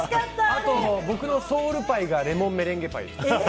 あと、僕のソウルパイがレモンメレンゲパイです。